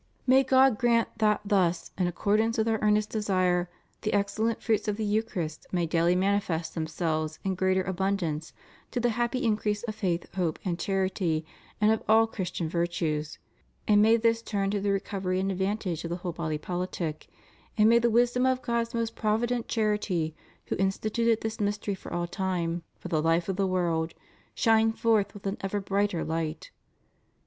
May God grant that thus, in accordance with Our earnest desire, the excellent fruits of the Eucharist may daily manifest themselves in greater abundance, to the happy increase of faith, hope, and charity, and of all Christian virtues; and may this turn to the recovery and advantage of the whole body pohtic; and may the wisdom of God's most provident charity, who instituted this mystery for all time "for the life of the world," shine forth with an ever brighter light.